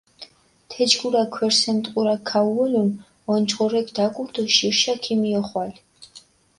თეჯგურა ქვერსემ ტყურაქ ქაუოლუნ, ონჯღორექ დაგურჷ დო ჟირშა ქომიოხვალ.